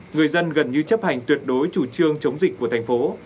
người dân gần như chấp hành tuyệt đối chủ trương chống dịch của thành phố